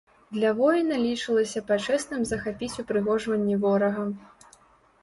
Для воіна лічылася пачэсным захапіць упрыгожванні ворага.